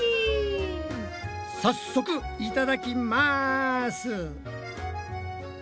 早速いただきます！